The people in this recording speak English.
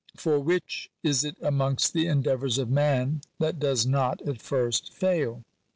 For which is it amongst the endeavours of man that does not at first fail?